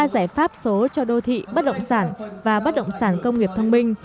ba giải pháp số cho đô thị bất động sản và bất động sản công nghiệp thông minh